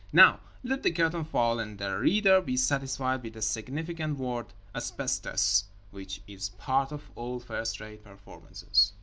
Now let the curtain fall, and the reader be satisfied with the significant word "Asbestos," which is part of all first rate performances.